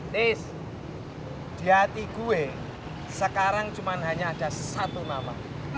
tis di hati gue sekarang cuma hanya ada satu nama